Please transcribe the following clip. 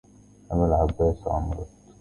أبا العباسِ عمرت